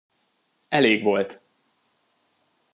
Elég volt!